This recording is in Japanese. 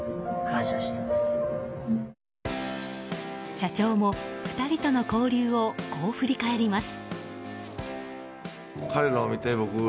社長も、２人との交流をこう振り返ります。